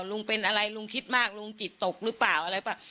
ลุงเป็นอะไรลุงคิดมากลุงจิตตกหรือเปล่าอะไรเปล่า